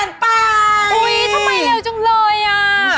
ทำไมเร็วจังเลยอ่ะ